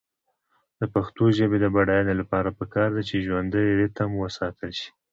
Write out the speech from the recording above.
د پښتو ژبې د بډاینې لپاره پکار ده چې ژوندی ریتم وساتل شي.